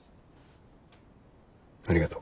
ありがとう。